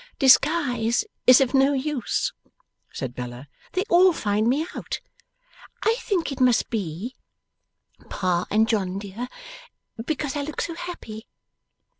'Disguise is of no use,' said Bella; 'they all find me out; I think it must be, Pa and John dear, because I look so happy!